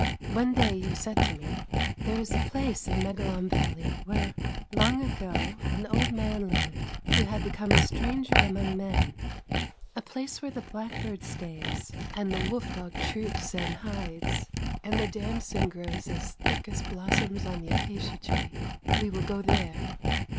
One day you said to me, ' There is a place in Megalon Valley where, long ago, an old man lived, who had become a stranger among men — a place where the blackbird stays, and the wolf dog troops and hides, and the damson grows as thick as blossoms on the acacia tree; we will go there.'